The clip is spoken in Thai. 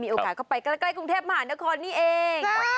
โอกาสก็ไปใกล้กรุงเทพมหานครนี่เอง